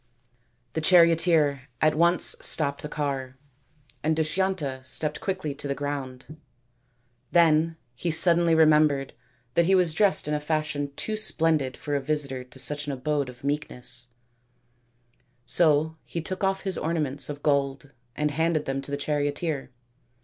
The charioteer at once stopped the car, and Dushyanta stepped quickly to the ground. Then he suddenly remembered that he was dressed in a fashion too splendid for a visitor to such an abode of meekness ; so he took off his ornaments of gold and handed them to the charioteer.